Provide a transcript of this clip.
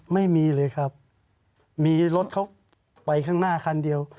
ไม่มีเลยครับมีรถเขาไปข้างหน้าคันเดียว